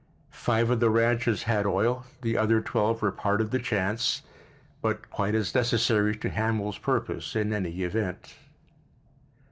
Five of the ranches had oil, the other twelve were part of the chance, but quite as necessary to Hamil's purpose, in any event.